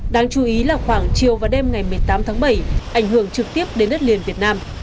đáng chú ý là khoảng chiều và đêm ngày một mươi tám tháng bảy ảnh hưởng trực tiếp đến đất liền việt nam